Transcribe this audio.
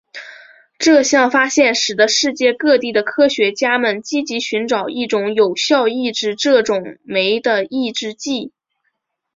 这项发现使得世界各地的科学家们积极寻找一种有效抑制这种酶的抑制剂。